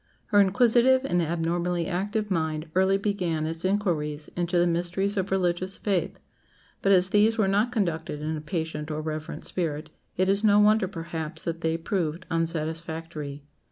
Her inquisitive and abnormally active mind early began its inquiries into the mysteries of religious faith, but as these were not conducted in a patient or reverent spirit, it is no wonder, perhaps, that they proved unsatisfactory.